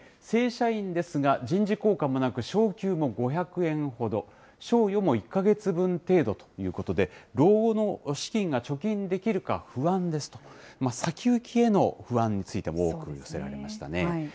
正社員ですが人事考課もなく、昇給も５００円ほど、賞与も１か月分程度ということで、老後の資金が貯金できるか不安ですと、先行きへの不安についても多く寄せられましたね。